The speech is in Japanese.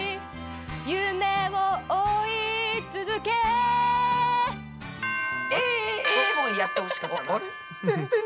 「夢を追い続け」え！